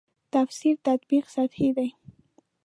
تفسیر تطبیق سطحې دي.